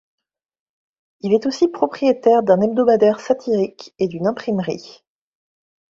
Il est aussi propriétaire d’un hebdomadaire satirique et d’une imprimerie.